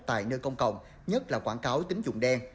tại nơi công cộng nhất là quảng cáo tính dụng đen